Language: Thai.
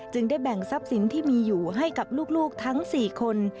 ได้แบ่งทรัพย์สินที่มีอยู่ให้กับลูกทั้ง๔คน